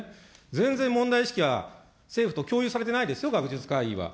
全然問題意識は政府と共有されてないですよ、学術会議は。